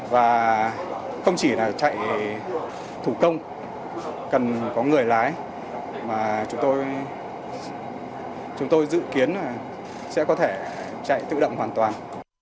và không chỉ là chạy thủ công cần có người lái mà chúng tôi dự kiến là sẽ có thể chạy tự động hoàn toàn